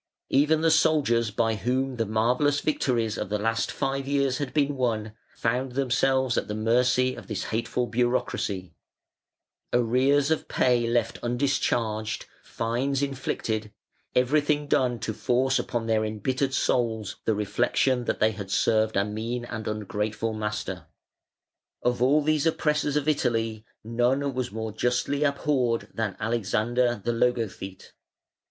Even the soldiers by whom the marvellous victories of the last five years had been won, found themselves at the mercy of this hateful bureaucracy; arrears of pay left undischarged, fines inflicted, everything done to force upon their embittered souls the reflection that they had served a mean and ungrateful master. Of all these oppressors of Italy none was more justly abhorred than Alexander the Logothete.